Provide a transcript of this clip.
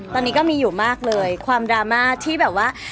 ตอนนี้ก็มีอยู่มากเลยความดราม่าที่แบบว่า